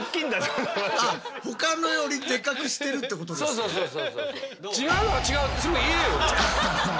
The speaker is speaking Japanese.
そうそうそうそう。